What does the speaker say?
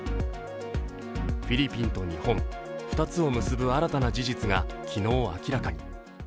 フィリピンと日本、２つを結ぶ新たな事実が昨日明らかに。